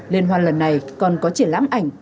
liên hoàn lần này còn có triển lãm ảnh